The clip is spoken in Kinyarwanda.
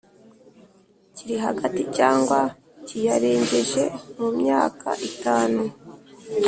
Kiri hagati cyangwa kiyarengeje mu myaka itanu